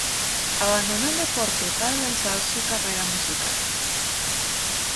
Abandonó el deporte para lanzar su carrera musical.